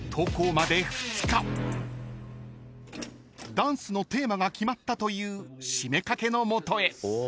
［ダンスのテーマが決まったという七五三掛の元へ］